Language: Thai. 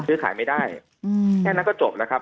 ซื้อขายไม่ได้แค่นั้นก็จบนะครับ